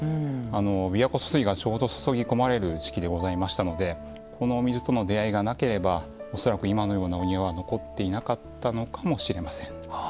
琵琶湖疏水がちょうど注ぎ込まれる時期でございましてこのお水との出会いがなければ恐らく今のようなお庭は残っていなかったのかもしれません。